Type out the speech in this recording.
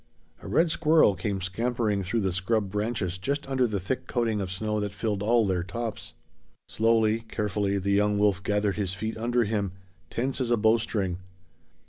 A red squirrel came scampering through the scrub branches just under the thick coating of snow that filled all their tops. Slowly, carefully the young wolf gathered his feet under him, tense as a bowstring.